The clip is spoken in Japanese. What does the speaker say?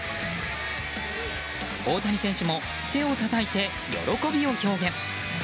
大谷選手も手をたたいて喜びを表現。